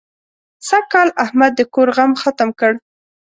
سږکال احمد د کور غم ختم کړ.